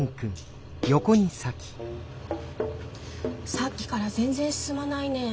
さっきから全然進まないね。